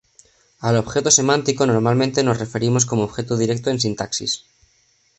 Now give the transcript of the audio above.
Al objeto semántico normalmente nos referimos como objeto directo en sintaxis.